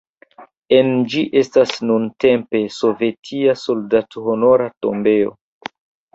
En ĝi estas nuntempe sovetia soldathonora tombejo.